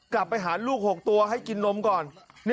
กลับไปหาลูก๖ตัวให้กินนมก่อน